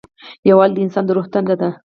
یووالی د انسان د روح تنده ده.